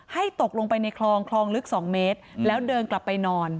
ตกลงไปในคลองคลองลึก๒เมตรแล้วเดินกลับไปนอน